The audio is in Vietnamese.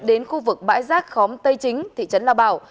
đến khu vực bãi rác khóm tây chính thị trấn lao bảo